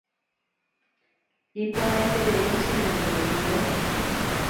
Iporãiterei che memby ha nde